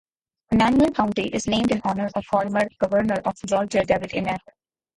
Emanuel County is named in honor of former Governor of Georgia David Emanuel.